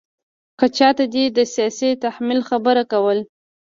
که چاته دې د سیاسي تحمل خبره کوله.